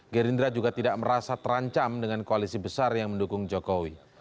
gerindra juga tidak merasa terancam dengan koalisi besar yang mendukung jokowi